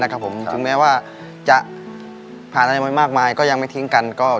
ถึงแม้ว่าจะผ่านอะไรมามากมายก็ยังไม่ทิ้งกัน